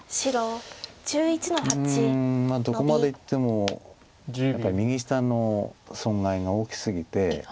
どこまでいってもやっぱり右下の損害が大きすぎて。